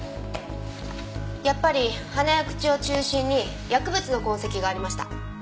やっぱり鼻や口を中心に薬物の痕跡がありました。